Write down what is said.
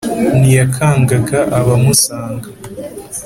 ntiyakangaga abamusanga